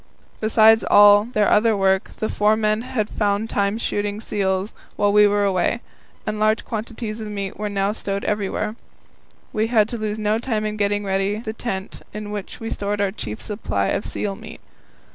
Besides all their other work, the four men had found time for shooting seals while we were away, and large quantities of meat were now stowed everywhere. We had to lose no time in getting ready the tent in which we stored our chief supply of seal meat.